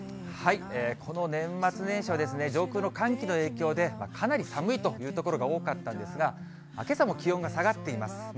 この年末年始は、上空の寒気の影響でかなり寒いという所が多かったんですが、けさも気温が下がっています。